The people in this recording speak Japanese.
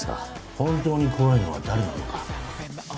本当に怖いのは誰なのか。